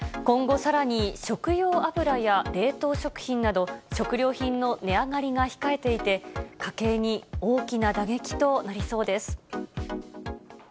今後さらに、食用油や冷凍食品など、食料品の値上がりが控えていて、家計に大きな打撃となりそうです。